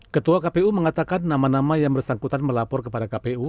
ketua kpu mengatakan nama nama yang bersangkutan melapor kepada kpu